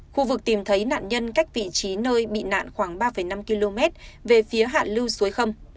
khu vực tìm thấy nạn nhân cách vị trí nơi bị nạn khoảng ba năm km về phía hạ lưu suối khâm